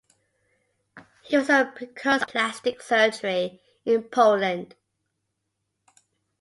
He was a precursor of plastic surgery in Poland.